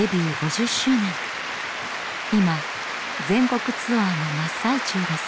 今全国ツアーの真っ最中です。